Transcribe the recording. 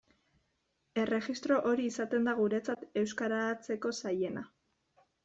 Erregistro hori izaten da guretzat euskaratzeko zailena.